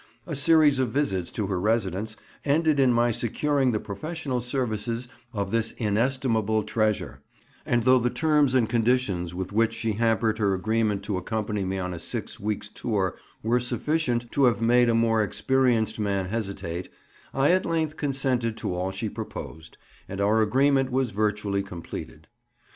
A series of visits to her residence ended in my securing the professional services of this inestimable treasure; and though the terms and conditions with which she hampered her agreement to accompany me on a six weeks' tour were sufficient to have made a more experienced man hesitate, I at length consented to all she proposed, and our agreement was virtually completed.